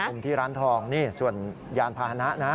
มุมที่ร้านทองนี่ส่วนยานพาหนะนะ